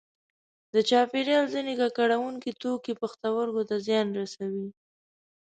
د چاپیریال ځینې ککړوونکي توکي پښتورګو ته زیان رسوي.